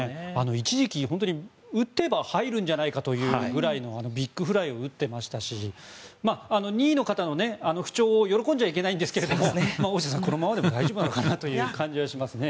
一時期、打てば入るんじゃないかというくらいのビッグフライを打ってましたし２位の方の不調を喜んじゃいけないんですが大下さん、このままでも大丈夫なのかなという感じがしますね。